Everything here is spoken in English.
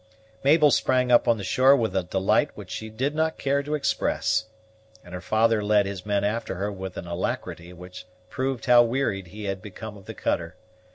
Mabel sprang up on the shore with a delight which she did not care to express; and her father led his men after her with an alacrity which proved how wearied he had become of the cutter.